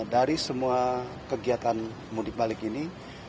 dari semua kegiatan mudik balik ini